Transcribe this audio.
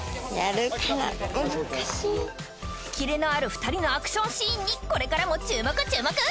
キレのある２人のアクションシーンにこれからも注目注目！